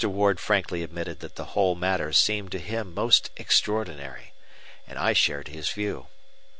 Ward frankly admitted that the whole matter seemed to him most extraordinary; and I shared his view.